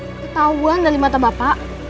ketahuan dari mata bapak